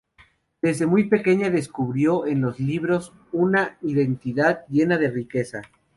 Desde muy pequeña descubrió en los libros una identidad llena de riqueza.